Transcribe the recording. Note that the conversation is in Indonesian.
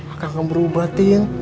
akang gak berubah tin